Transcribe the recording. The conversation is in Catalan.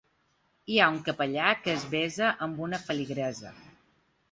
Hi ha un capellà que es besa amb una feligresa.